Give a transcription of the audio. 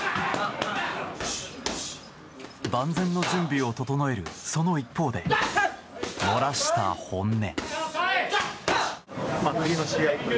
万全の準備を整えるその一方で漏らした本音。